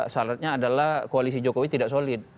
syaratnya adalah koalisi jokowi tidak solid